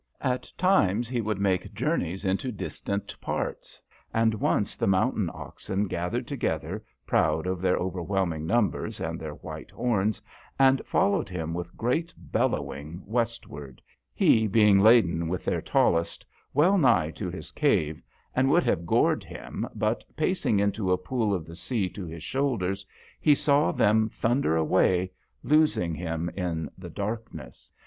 At times he would make jour neys into distant parts, and once the mountain oxen gathered to gether, proud of their over whelming numbers and their white horns, and followed him with great bellowing westward, he being laden with their tallest, well nigh to his cave, and would have gored him, but, pacing into a pool of the sea to his shoulders, he saw them thunder away, losing him in the darkness.